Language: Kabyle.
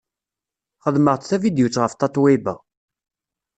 Xedmeɣ-d tavidyut ɣef Tatoeba.